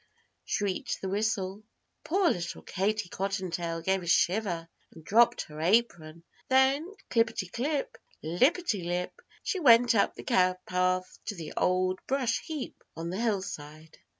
shrieked the whistle. Poor little Katie Cottontail gave a shiver and dropped her apron. Then clipperty clip, lipperty lip she went up the Cow Path to the Old Brush Heap on the hillside.